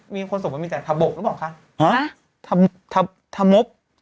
มีคนส่งมามีแต่ทะบบรึเปล่าคะ